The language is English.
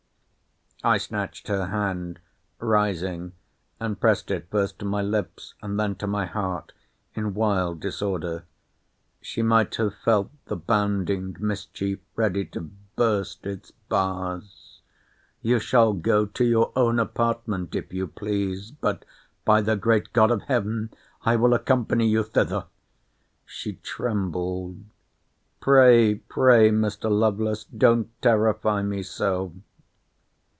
I snatched her hand, rising, and pressed it first to my lips, and then to my heart, in wild disorder. She might have felt the bounding mischief ready to burst its bars—You shall go—to your own apartment, if you please—But, by the great God of Heaven, I will accompany you thither! She trembled—Pray, pray, Mr. Lovelace, don't terrify me so!